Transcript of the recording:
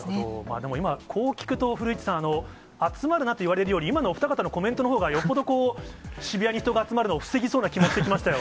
でも今、こう聞くと、古市さん、集まるなと言われるより、今のお二方のコメントのほうが、よっぽど渋谷に人が集まるのを防ぎそうな気もしてきましたよ。